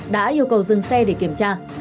đã yêu cầu dừng xe để kiểm tra